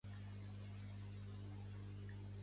Volem que el català sigui Europeu.